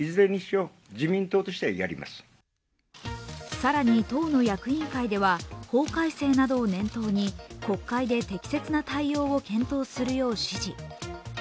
更に党の役員会では法改正などを念頭に国会で適切な対応を検討するよう指示。